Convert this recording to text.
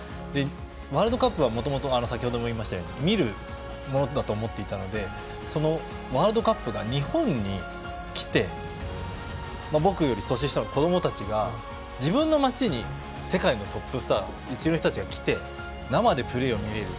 ワールドカップは先ほども言いましたように見るものだと思っていたのでそのワールドカップが日本に来て僕より年下の子どもたちが自分の街に世界のトップスター一流の人たちが来て生でプレーを見れる。